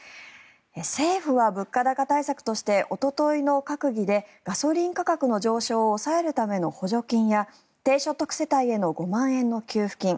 政府は物価高対策としておとといの閣議でガソリン価格の上昇を抑えるための補助金や低所得世帯への５万円の給付金